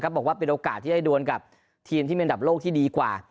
บอกว่าเป็นโอกาสที่ได้ดวนกับทีมที่เป็นอันดับโลกที่ดีกว่า